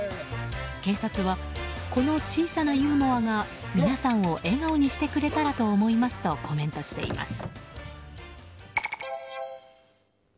警察は、この小さなユーモアが皆さんを笑顔にしてくれたらと思いますとコメントしています。